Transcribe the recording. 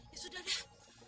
ya sudah deh